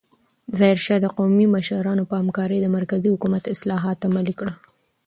ظاهرشاه د قومي مشرانو په همکارۍ د مرکزي حکومت اصلاحات عملي کړل.